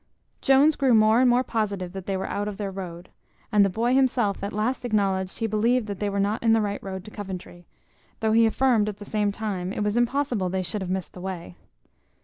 Jones grew more and more positive that they were out of their road; and the boy himself at last acknowledged he believed they were not in the right road to Coventry; though he affirmed, at the same time, it was impossible they should have mist the way.